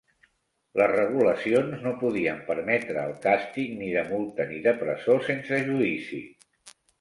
Les regulacions no podien permetre el càstig ni de multa ni de presó sense judici.